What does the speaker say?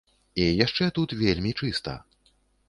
І яшчэ тут вельмі чыста.